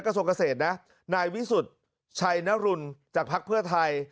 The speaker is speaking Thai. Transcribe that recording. กระทรวงเกษตรนะนายวิสุทธิ์ชัยนรุนจากภักดิ์เพื่อไทย